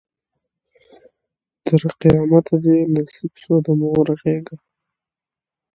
تر قیامته دي نصیب سوه د مور غیږه